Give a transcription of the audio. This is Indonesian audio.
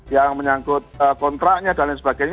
yang menyangkut kontraknya dan lain sebagainya